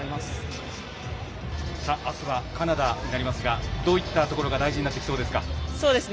あしたにつながる試合にあすはカナダになりますがどういったところが大事になってきそうですか？